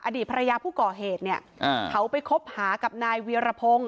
อดีตภรรยาผู้ก่อเหตุเนี่ยเขาไปคบหากับนายเวียรพงศ์